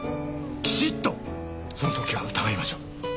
きちっとその時は疑いましょう。